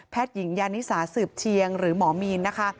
หญิงยานิสาสืบเชียงหรือหมอมีนนะคะ